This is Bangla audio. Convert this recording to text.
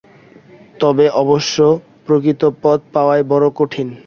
তবে অবশ্য প্রকৃত পথ পাওয়া বড় কঠিন।